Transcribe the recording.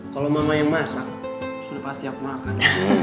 kalau mama yang masak sudah pasti siap makan